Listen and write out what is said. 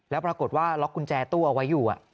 แล้วปรากฏว่าล็อกกุญแจตู้เอาไว้อยู่